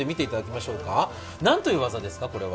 何という技ですか、これは。